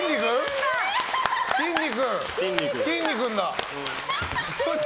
きんに君だ！